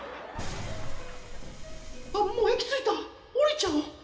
あっもう駅着いた降りちゃおう